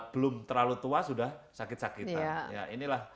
belum terlalu tua sudah sakit sakitan